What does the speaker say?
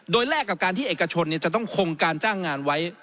โดยแลกกับการที่เอกชนจะต้องคงการจ้างงานไว้